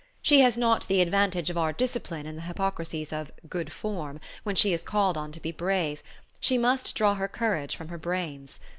She has not the advantage of our discipline in the hypocrisies of "good form" when she is called on to be brave, she must draw her courage from her brains.